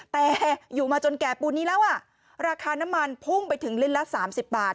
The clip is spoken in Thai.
แต่อยู่มาจนแก่ปูนนี้แล้วอ่ะราคาน้ำมันพุ่งไปถึงลิตรละ๓๐บาท